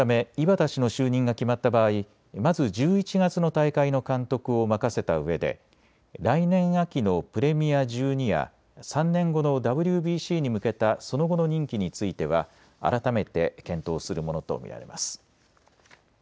このため井端氏の就任が決まった場合、まず１１月の大会の監督を任せたうえで来年秋のプレミア１２や３年後のＷＢＣに向けたその後の任期については改めて検討するものと見られます。